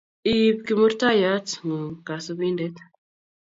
Iip kimurtoiyot ng'uung kasupinded